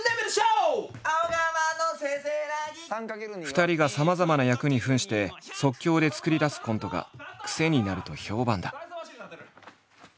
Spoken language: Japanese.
二人がさまざまな役に扮して即興で作り出すコントがクセになると評判だ。